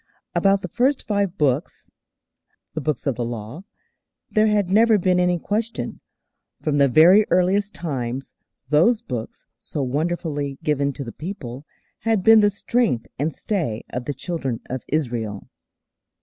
About the first five Books the Books of the Law there had never been any question. From the very earliest times those Books, so wonderfully given to the people, had been the strength and stay of the Children of Israel.